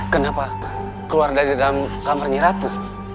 kenapa keluar dari dalam kamar nyiratu